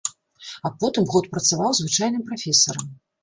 А потым год працаваў звычайным прафесарам.